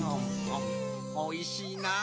おいしいなぁ。